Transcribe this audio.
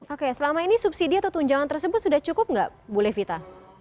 oke selama ini subsidi atau tunjangan tersebut sudah cukup nggak bu levita